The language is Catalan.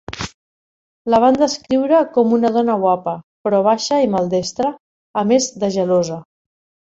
La van descriure com una dona guapa, però baixa i maldestra, a més de gelosa.